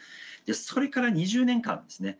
それから２０年間ですね